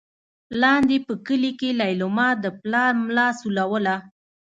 لاندې په کلي کې لېلما د پلار ملا سولوله.